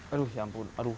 aduh siampun aduh